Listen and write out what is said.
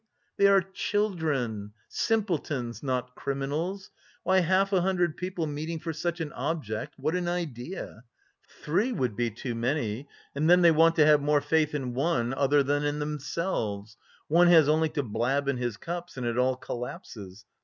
They are children, simpletons, not criminals! Why, half a hundred people meeting for such an object what an idea! Three would be too many, and then they want to have more faith in one another than in themselves! One has only to blab in his cups and it all collapses.